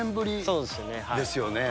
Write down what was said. そうですね。ですよね。